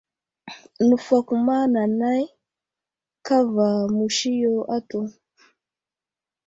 Nəfakuma nanay kava musi yo atu.